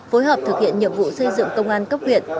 phối hợp thực hiện nhiệm vụ xây dựng công an cấp huyện